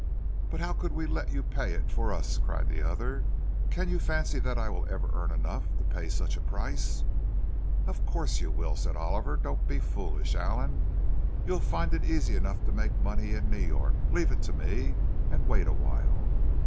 "But how could we let you pay it for us?" cried the other. "Can you fancy that I will ever earn enough to pay such a price?" "Of course you will," said Oliver. "Don't be foolish, Allan—you'll find it's easy enough to make money in New York. Leave it to me, and wait awhile."